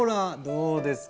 どうです？